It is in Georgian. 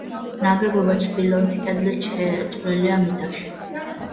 ნაგებობა ჩრდილოეთი კედლით შეჭრილია მიწაში.